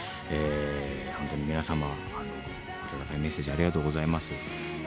本当に皆様、温かいメッセージありがとうございます。